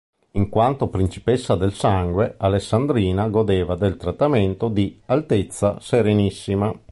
In quanto Principessa del Sangue, Alessandrina godeva del trattamento di "Altezza Serenissima".